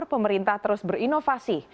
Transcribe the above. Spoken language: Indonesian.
pemerintah terus berinovasi